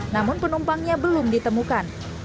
namun penumpangnya belum ditemukan